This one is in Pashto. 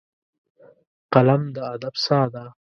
قلم د ادب ساه ده